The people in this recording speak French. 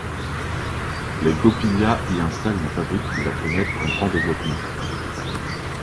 Les Gaupillat y installent une fabrique qui va connaître un grand développement.